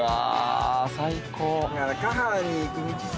最高。